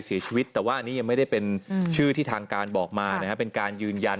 เสียชีวิตแต่ว่าอันนี้ยังไม่ได้เป็นชื่อที่ทางการบอกมานะครับเป็นการยืนยัน